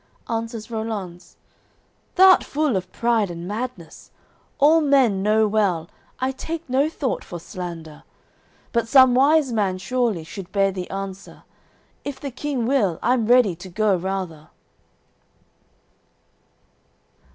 Answers Rollanz: "Thou'rt full of pride and madness. All men know well, I take no thought for slander; But some wise man, surely, should bear the answer; If the King will, I'm ready to go rather."